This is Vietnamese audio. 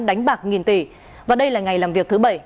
đánh bạc nghìn tỷ và đây là ngày làm việc thứ bảy